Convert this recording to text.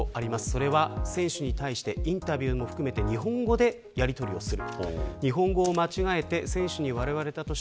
それは選手に対してインタビューも含めて日本語でやり取りをする。